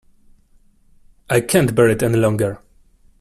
I can’t bear it any longer